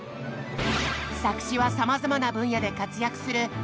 作詞はさまざまな分野で活躍する劇団ひとりさん。